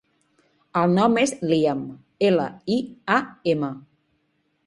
El nom és Liam: ela, i, a, ema.